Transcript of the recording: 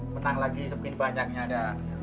menang lagi sebegini banyaknya ya